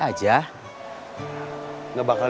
saya tahan dari belakang